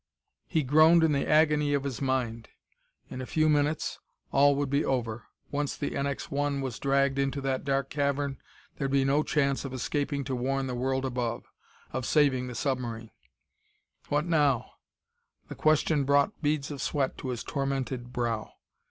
He groaned in the agony of his mind. In a few minutes, all would be over. Once the NX 1 was dragged into that dark cavern there'd be no chance of escaping to warn the world above, of saving the submarine. What now? The question brought beads of sweat to his tormented brow.